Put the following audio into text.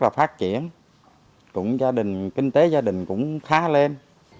so với năm hai nghìn một mươi một